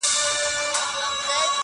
د هندوستان و لور ته مه ځه٫